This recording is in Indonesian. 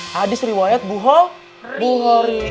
hadis riwayat buho ri